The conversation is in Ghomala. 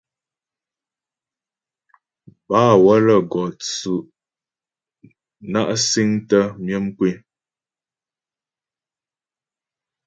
Bâ wə́lə́ gɔ tsʉ' na' siŋtə myə mkwé.